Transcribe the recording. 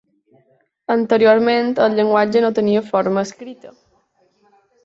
Anteriorment el llenguatge no tenia forma escrita.